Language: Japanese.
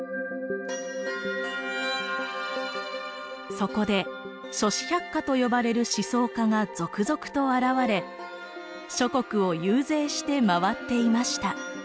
そこで「諸子百家」と呼ばれる思想家が続々と現れ諸国を遊説して回っていました。